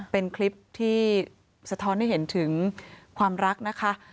เป็นคลิปที่สะท้อนให้เห็นถึงความรักนะคะ